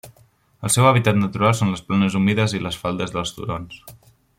El seu hàbitat natural són les planes humides i les faldes dels turons.